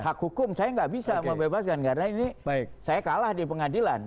hak hukum saya nggak bisa membebaskan karena ini saya kalah di pengadilan